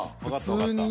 普通に？